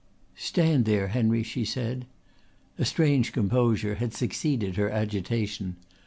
"Stand there, Henry," she said. A strange composure had succeeded her agitation.